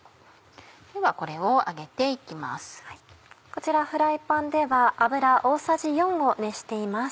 こちらフライパンでは油大さじ４を熱しています。